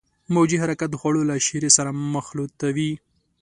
موجي حرکات د خوړو له شیرې سره مخلوطوي.